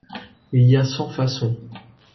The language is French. Il y a cent façons.